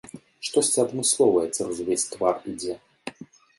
Штосьці адмысловае цераз увесь твар ідзе.